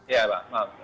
ya pak maaf pak